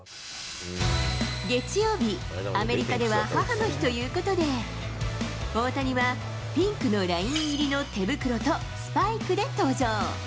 月曜日、アメリカでは母の日ということで、大谷はピンクのライン入りの手袋とスパイクで登場。